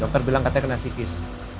dokter bilang katanya kena psikis